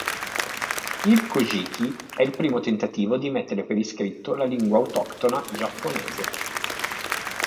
Il "Kojiki" è il primo tentativo di mettere per iscritto la lingua autoctona giapponese.